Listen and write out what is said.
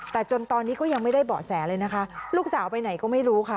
แต่จนตอนนี้ก็ยังไม่ได้เบาะแสเลยนะคะลูกสาวไปไหนก็ไม่รู้ค่ะ